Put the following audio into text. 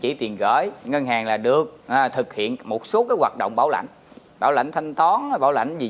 chỉ tiền gửi ngân hàng là được thực hiện một số hoạt động bảo lãnh bảo lãnh thanh toán bảo lãnh gì